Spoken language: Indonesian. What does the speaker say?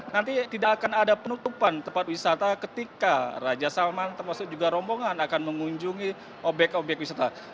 nanti tidak akan ada penutupan tempat wisata ketika raja salman termasuk juga rombongan akan mengunjungi obyek obyek wisata